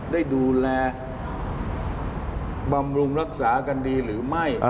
ได้ดูแลบำรุงรักษากันดีหรือไม่